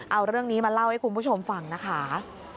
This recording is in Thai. เอาเรื่องนี้มาเล่าให้คุณผู้ชมฟังนะคะ